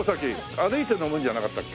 歩いて上るんじゃなかったっけ？